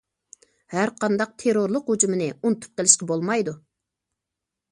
ھەرقانداق تېررورلۇق ھۇجۇمىنى ئۇنتۇپ قىلىشقا بولمايدۇ.